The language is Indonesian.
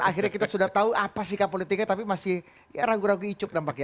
akhirnya kita sudah tahu apa sikap politiknya tapi masih ragu ragu icuk nampaknya